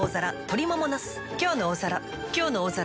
「きょうの大皿」